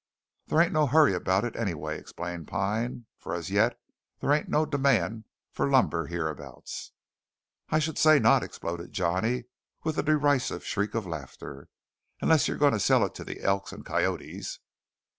"There ain't no hurry about it anyway," explained Pine, "for as yet there ain't no demand for lumber yereabouts." "I should say not!" exploded Johnny with a derisive shriek of laughter, "unless you're going to sell it to the elks and coyotes!"